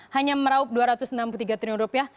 hanya meraup dua ratus enam puluh tiga triliun rupiah